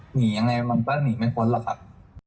หนียังไงมันก็หนีไม่พ้นหรอกครับ